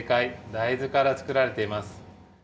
大豆からつくられています。